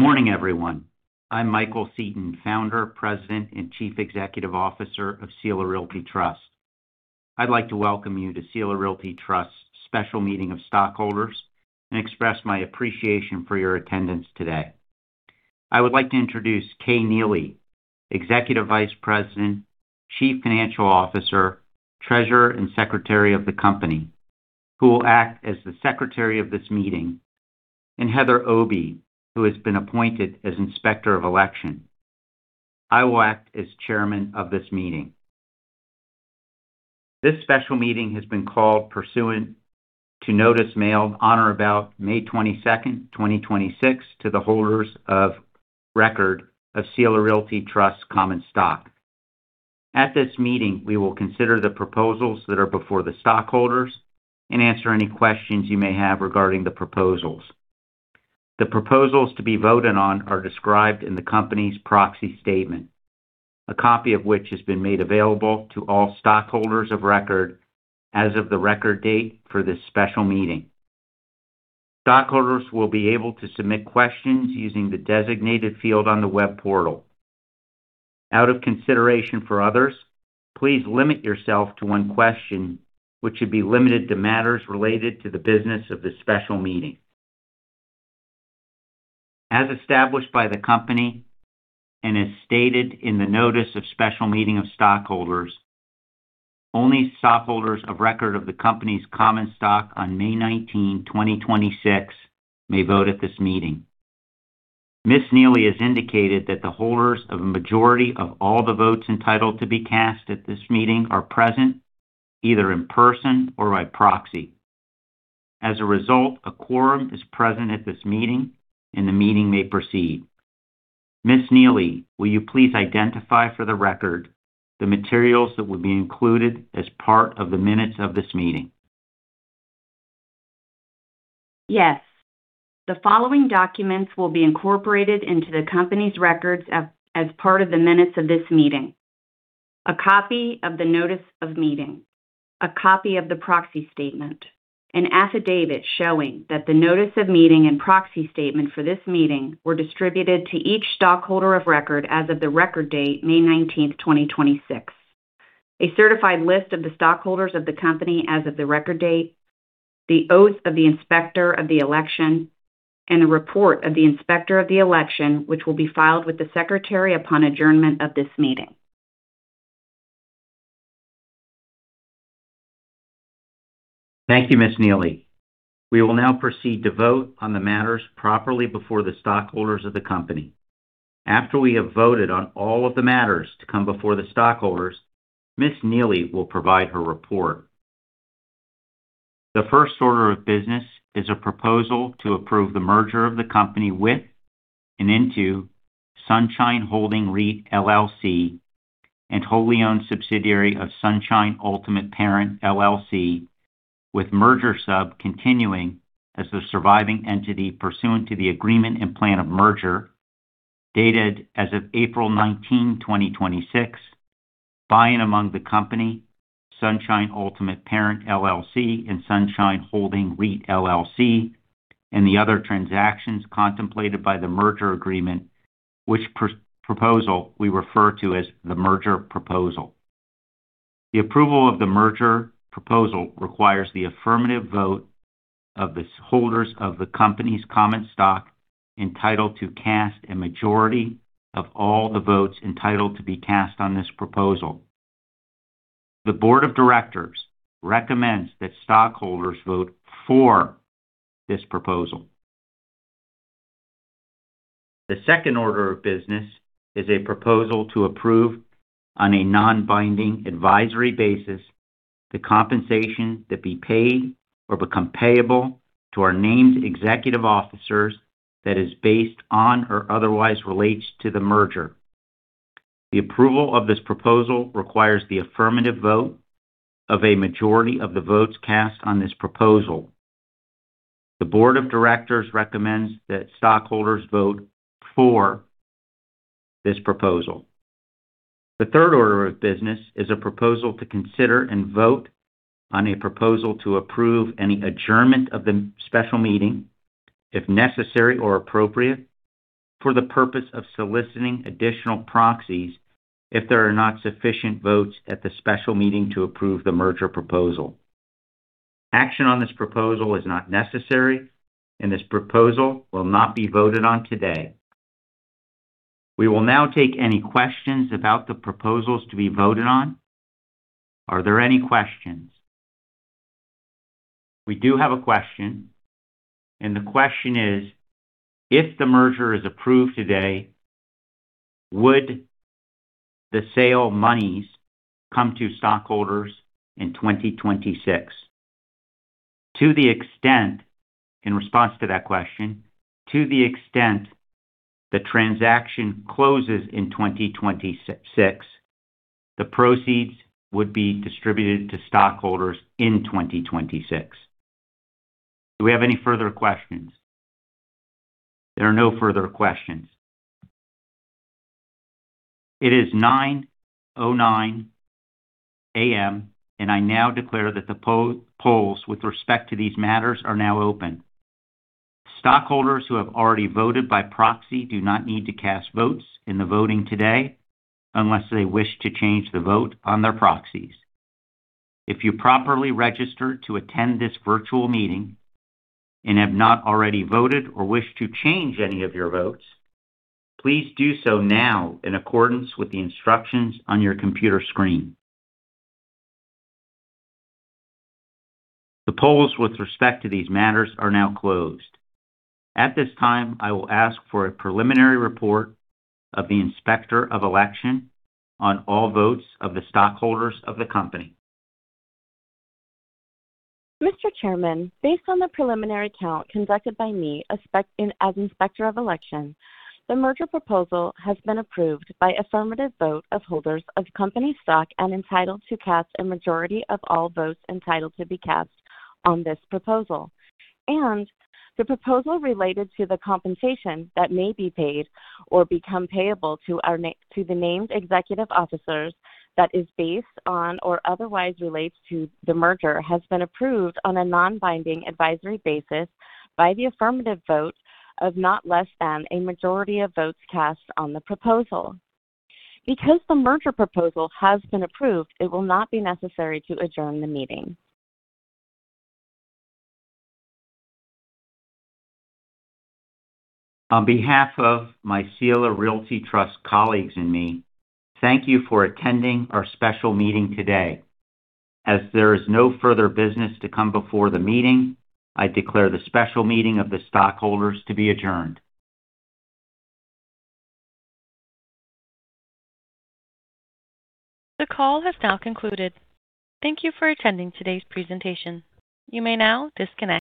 Good morning, everyone. I'm Michael Seton, Founder, President, and Chief Executive Officer of Sila Realty Trust. I'd like to welcome you to Sila Realty Trust's special meeting of stockholders and express my appreciation for your attendance today. I would like to introduce Kay Neely, Executive Vice President, Chief Financial Officer, Treasurer, and Secretary of the company, who will act as the Secretary of this meeting, and Heather Obey, who has been appointed as Inspector of Election. I will act as Chairman of this meeting. This special meeting has been called pursuant to notice mailed on or about May 22nd, 2026, to the holders of record of Sila Realty Trust common stock. At this meeting, we will consider the proposals that are before the stockholders and answer any questions you may have regarding the proposals. The proposals to be voted on are described in the company's proxy statement, a copy of which has been made available to all stockholders of record as of the record date for this special meeting. Stockholders will be able to submit questions using the designated field on the web portal. Out of consideration for others, please limit yourself to one question, which should be limited to matters related to the business of this special meeting. As established by the company and as stated in the notice of special meeting of stockholders, only stockholders of record of the company's common stock on May 19, 2026, may vote at this meeting. Ms. Neely has indicated that the holders of a majority of all the votes entitled to be cast at this meeting are present, either in person or by proxy. As a result, a quorum is present at this meeting. The meeting may proceed. Ms. Neely, will you please identify for the record the materials that will be included as part of the minutes of this meeting? Yes. The following documents will be incorporated into the company's records as part of the minutes of this meeting. A copy of the notice of meeting. A copy of the proxy statement. An affidavit showing that the notice of meeting and proxy statement for this meeting were distributed to each stockholder of record as of the record date, May 19, 2026. A certified list of the stockholders of the company as of the record date, the oath of the Inspector of Election, and a report of the Inspector of Election, which will be filed with the Secretary upon adjournment of this meeting. Thank you, Ms. Neely. We will now proceed to vote on the matters properly before the stockholders of the company. After we have voted on all of the matters to come before the stockholders, Ms. Neely will provide her report. The first order of business is a proposal to approve the merger of the company with and into Sunshine Holding REIT LLC, a wholly owned subsidiary of Sunshine Ultimate Parent LLC, with Merger Sub continuing as the surviving entity pursuant to the Agreement and Plan of Merger, dated as of April 19, 2026, by and among the company, Sunshine Ultimate Parent LLC, and Sunshine Holding REIT LLC, and the other transactions contemplated by the merger agreement, which proposal we refer to as the merger proposal. The approval of the merger proposal requires the affirmative vote of the holders of the company's common stock entitled to cast a majority of all the votes entitled to be cast on this proposal. The board of directors recommends that stockholders vote for this proposal. The second order of business is a proposal to approve on a non-binding advisory basis the compensation to be paid or become payable to our named executive officers that is based on or otherwise relates to the merger. The approval of this proposal requires the affirmative vote of a majority of the votes cast on this proposal. The board of directors recommends that stockholders vote for this proposal. The third order of business is a proposal to consider and vote on a proposal to approve any adjournment of the special meeting if necessary or appropriate for the purpose of soliciting additional proxies if there are not sufficient votes at the special meeting to approve the merger proposal. Action on this proposal is not necessary, and this proposal will not be voted on today. We will now take any questions about the proposals to be voted on. Are there any questions? We do have a question, and the question is: If the merger is approved today, would the sale monies come to stockholders in 2026? In response to that question, to the extent the transaction closes in 2026, the proceeds would be distributed to stockholders in 2026. Do we have any further questions? There are no further questions. It is 9:09 A.M., I now declare that the polls with respect to these matters are now open. Stockholders who have already voted by proxy do not need to cast votes in the voting today unless they wish to change the vote on their proxies. If you properly registered to attend this virtual meeting and have not already voted or wish to change any of your votes, please do so now in accordance with the instructions on your computer screen. The polls with respect to these matters are now closed. At this time, I will ask for a preliminary report of the Inspector of Election on all votes of the stockholders of the company. Mr. Chairman, based on the preliminary count conducted by me as Inspector of Election, the merger proposal has been approved by affirmative vote of holders of company stock and entitled to cast a majority of all votes entitled to be cast on this proposal. The proposal related to the compensation that may be paid or become payable to the named executive officers that is based on or otherwise relates to the merger has been approved on a non-binding advisory basis by the affirmative vote of not less than a majority of votes cast on the proposal. Because the merger proposal has been approved, it will not be necessary to adjourn the meeting. On behalf of my Sila Realty Trust colleagues and me, thank you for attending our special meeting today. As there is no further business to come before the meeting, I declare the special meeting of the stockholders to be adjourned. The call has now concluded. Thank you for attending today's presentation. You may now disconnect.